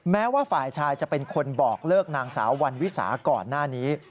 แม้ว่าฝ่ายชายจะเป็นคนบอกเลิกนางสาววันวิสาก่อนหน้านี้